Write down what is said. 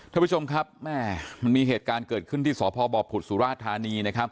ท่านผู้ชมครับมีเหตุการณ์เกิดขึ้นที่สพบผุดสุราธารณี